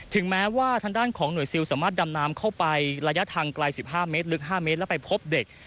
ถึงแม้ว่าทางด้านของหน่วยซิลสามารถดำน้ำเข้าไประยะทางไกล๑๕เมตรลึก๕เมตรแล้วไปพบเด็ก